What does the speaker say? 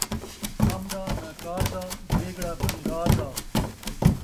کم دا ناں کار دا ، دیگڑا بھن٘گار دا